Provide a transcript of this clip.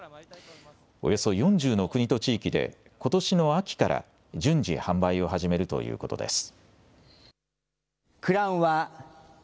およそ４０の国と地域でことしの秋から順次、販売を始めるということです。